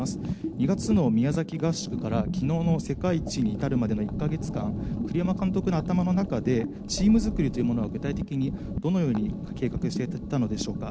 ２月の宮崎合宿からきのうの世界一に至るまでの１か月間、栗山監督の頭の中で、チーム作りというものは具体的にどのように計画していたのでしょうか。